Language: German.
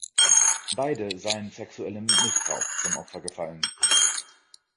Beide seien sexuellem Missbrauch zum Opfer gefallen.